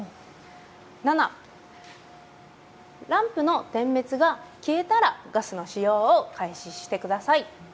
７、ランプの点滅が消えたら、ガスの使用を開始してください。